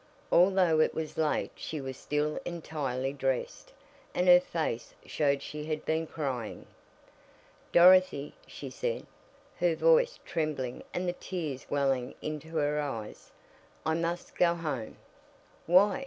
Although it was late she was still entirely dressed, and her face showed she had been crying. "Dorothy," she said, her voice trembling and the tears welling into her eyes, "I must go home!" "Why?"